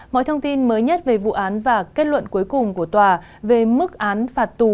mọi thông tin mới nhất về vụ án và kết luận cuối cùng của tòa về mức án phạt tù